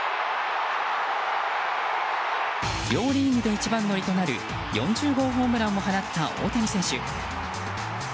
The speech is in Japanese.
両リーグで一番乗りとなる４０号ホームランを放った大谷選手。